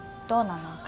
どうなの？